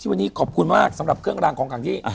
วันนี้ขอบคุณมากสำหรับเครื่องรางของขังที่